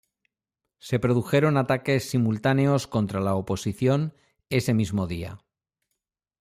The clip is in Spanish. Se produjeron ataques simultáneos contra la oposición ese mismo día.